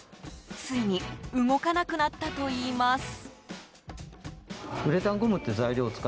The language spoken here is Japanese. ついに動かなくなったといいます。